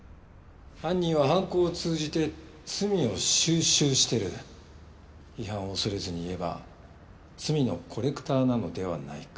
「犯人は犯行を通じて罪を蒐集してる」「批判を恐れずに言えば罪のコレクターなのではないか」